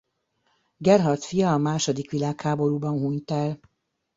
Gerhard fia a második világháborúban hunyt el.